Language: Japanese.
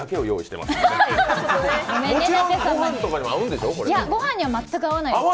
いや、御飯には全く合わないです。